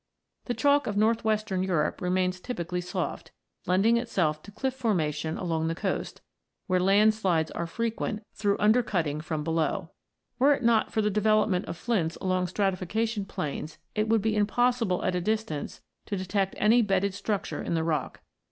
The Chalk of north western Europe remains n] THE LIMESTONES 43 typically soft, lending itself to cliff formation along the coast, where landslides are frequent through undercutting from below. Were it not for the development of flints along stratification planes, it would be impossible at a distance to detect any bedded structure in the rock.